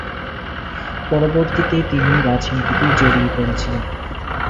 পরবর্তীতে তিনি রাজনীতিতে জড়িয়ে পড়েছিলেন।